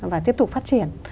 và tiếp tục phát triển